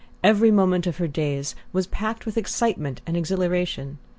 Every moment of her days was packed with excitement and exhilaration.